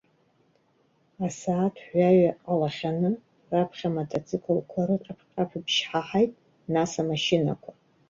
Асааҭ жәаҩа ҟалахьаны, раԥхьа амотоциклқәа рыҟьаԥ-ҟьаԥбжьы ҳаҳаит, нас, амашьынақәа.